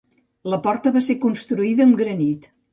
La Porta va ser construïda amb granit.